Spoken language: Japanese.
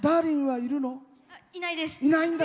いないです。